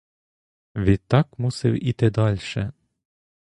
Відтак мусив іти дальше.